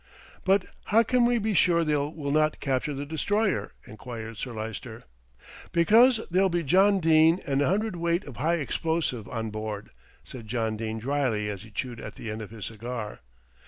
"But how can we be sure they will not capture the Destroyer?" enquired Sir Lyster. "Because there'll be John Dene and a hundred weight of high explosive on board," said John Dene drily as he chewed at the end of his cigar.